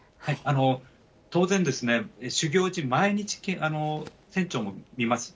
当然、就業時、毎日、船長も見ます。